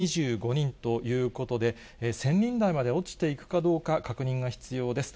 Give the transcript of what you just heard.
きょうは前の週が２０２５人ということで、１０００人台まで落ちていくかどうか、確認が必要です。